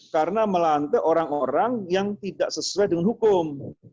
karena melantik orang orang yang tidak sesuai dengan hukum